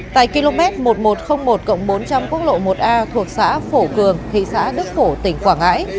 tại km một nghìn một trăm linh một bốn trăm linh quốc lộ một a thuộc xã phổ cường thị xã đức phổ tỉnh quảng ngãi